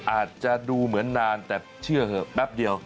อาจจะดูเหมือนนานแต่เชื่อเหอะแป๊บเดียว